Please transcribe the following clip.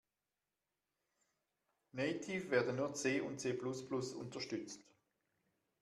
Nativ werden nur C und C-plus-plus unterstützt.